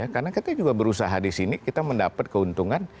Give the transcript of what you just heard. karena kita juga berusaha di sini kita mendapat keuntungan